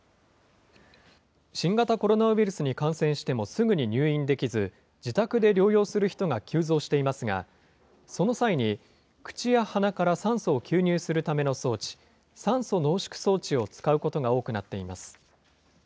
新型コロナウイルスに感染してもすぐに入院できず、自宅で療養する人が急増していますが、その際に口や鼻から酸素を吸入するための装置、酸素濃縮装置を使うことが多くなっています。